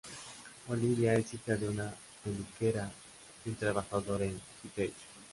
Olivia es hija de una peluquera y un trabajador en Hi-tech.